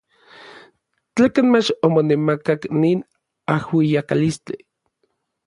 ¿Tlekan mach omonemakak nin ajuiakalistli.